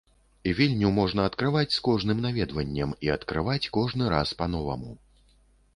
Вільню можна адкрываць з кожным наведваннем і адкрываць кожны раз па-новаму.